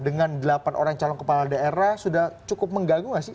dengan delapan orang calon kepala daerah sudah cukup mengganggu nggak sih